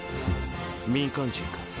民間人か。